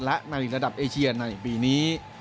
และในระดับเอเชียในปีนี้